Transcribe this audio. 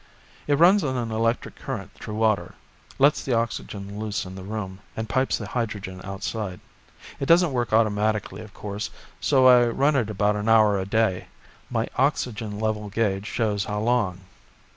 "It runs an electric current through water, lets the oxygen loose in the room, and pipes the hydrogen outside. It doesn't work automatically, of course, so I run it about an hour a day. My oxygen level gauge shows how long."